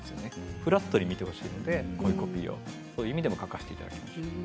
フラットに見てほしいのでこういうコピーをそういう意味でも書かせていただきました。